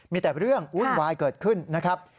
มีแต่เรื่องวุ่นวายเกิดขึ้นนะครับ